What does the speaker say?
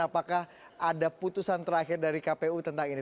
apakah ada putusan terakhir dari kpu tentang ini